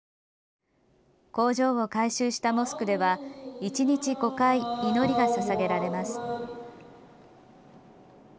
工場を改修したモスクでは一日５回、祈りがささげられます。